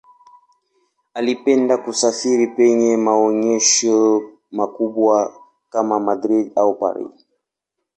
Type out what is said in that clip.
Alipenda kusafiri penye maonyesho makubwa kama Madrid au Paris.